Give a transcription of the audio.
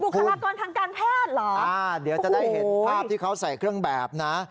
คลากรทางการแพทย์เหรออ่าเดี๋ยวจะได้เห็นภาพที่เขาใส่เครื่องแบบนะ